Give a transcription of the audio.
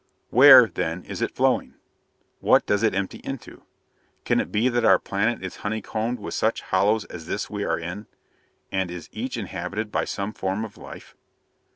Where, then, is it flowing? What does it empty into? Can it be that our planet is honeycombed with such hollows as this we are in? And is each inhabited by some form of life?"